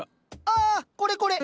ああこれこれ。